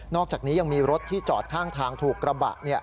อกจากนี้ยังมีรถที่จอดข้างทางถูกกระบะ